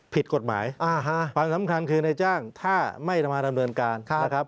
ผิดกฎหมายความสำคัญคือในจ้างถ้าไม่มาดำเนินการนะครับ